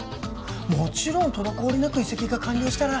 「もちろん滞りなく移籍が完了したら」